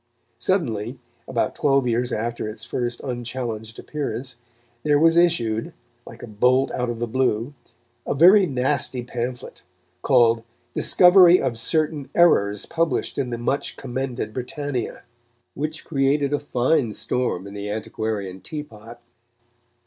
Suddenly, about twelve years after its first unchallenged appearance, there was issued, like a bolt out of the blue, a very nasty pamphlet, called Discovery of certain Errors Published in the much commended Britannia, which created a fine storm in the antiquarian teapot.